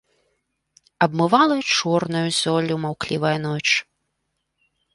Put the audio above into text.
Абмывала чорнаю золлю маўклівая ноч.